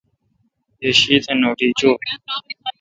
یی شیتھ نوٹی چوی۔